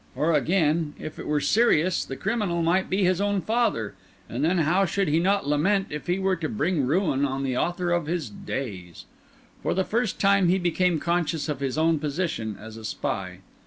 Or again, if it were serious, the criminal might be his own father, and then how should he not lament if he were to bring ruin on the author of his days? For the first time he became conscious of his own position as a spy.